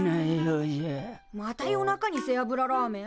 また夜中に背脂ラーメン？